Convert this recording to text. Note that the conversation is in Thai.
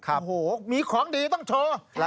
โอ้โหมีของดีต้องโชว์